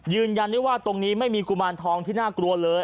ยืนยันได้ว่าตรงนี้ไม่มีกุมารทองที่น่ากลัวเลย